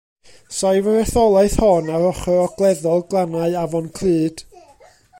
Saif yr etholaeth hon ar ochr ogleddol glannau Afon Clud.